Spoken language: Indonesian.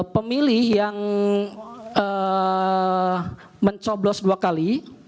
pemilih yang mencoblos dua kali